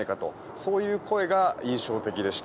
そういう声が印象的でした。